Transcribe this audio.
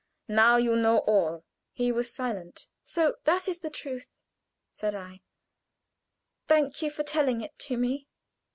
Now you know all." He was silent. "So that is the truth?" said I. "Thank you for telling it to me.